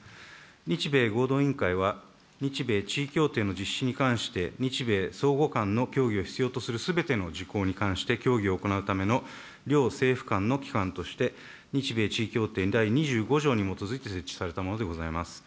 日米合同委員会は、日米地位協定の実施に関して、日米相互間の協議を必要とするすべての事項に関して協議を行うための両政府間の機関として、日米地位協定第５条に基づいて、設置されたものでございます。